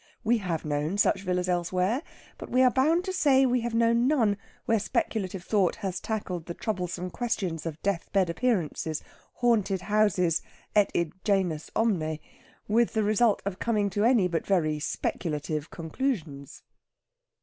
We have known such villas elsewhere, but we are bound to say we have known none where speculative thought has tackled the troublesome questions of death bed appearances, haunted houses, et id genus omne, with the result of coming to any but very speculative conclusions.